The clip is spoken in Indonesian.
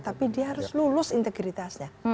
tapi dia harus lulus integritasnya